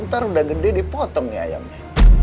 ntar udah gede dipotong nih ayamnya